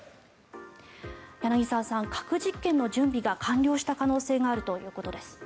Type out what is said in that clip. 柳澤さん、核実験の準備が完了した可能性があるということです。